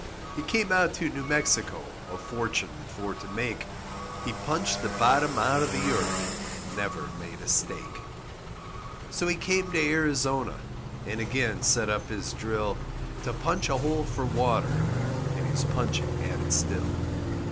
He came out to New Mexico A fortune for to make, He punched the bottom out of the earth And never made a stake. So he came to Arizona And again set up his drill To punch a hole for water, And he's punching at it still.